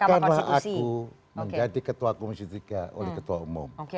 bukanlah aku menjadi ketua komisi tiga oleh ketua umum